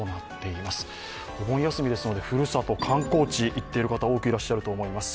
お盆休みですので、ふるさと、観光地に行っている方多くいると思います。